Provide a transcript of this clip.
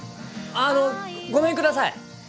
あのごめんください。